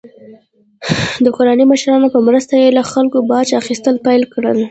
د ګوراني مشرانو په مرسته یې له خلکو باج اخیستل پیل کړل.